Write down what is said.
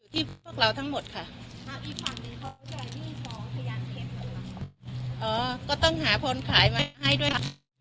ที่พวกเราทั้งหมดค่ะก็ต้องหาคนขายมาให้ด้วยค่ะ